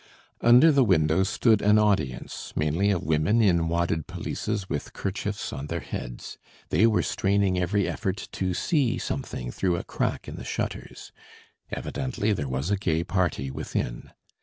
Under the windows stood an audience, mainly of women in wadded pelisses with kerchiefs on their heads; they were straining every effort to see something through a crack in the shutters. Evidently there was a gay party within.